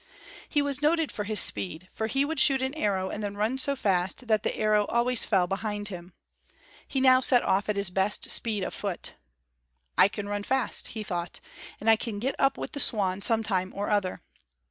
He was noted for his speed; for he would shoot an arrow and then run so fast that the arrow always fell behind him. He now set off at his best speed of foot. "I can run fast," he thought, "and I can get up with the swan sometime or other."